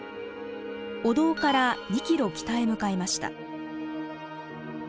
お堂から２ｋｍ北へ向かいました。